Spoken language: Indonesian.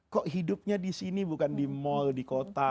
kok hidupnya disini bukan di mall di kota